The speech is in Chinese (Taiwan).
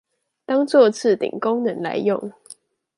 當作置頂功能來用